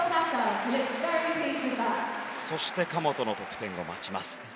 そして、神本の得点を待ちます。